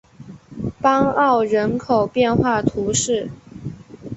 邦奥人口变化图示